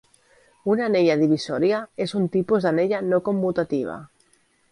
Una anella divisòria és un tipus d'anella no-commutativa.